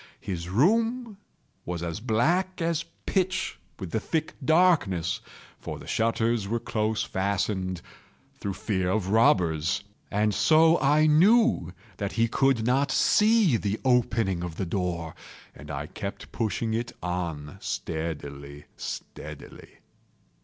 His room was as black as pitch with the thick darkness, (for the shutters were close fastened, through fear of robbers,) and so I knew that he could not see the opening of the door, and I kept pushing it on steadily, steadily.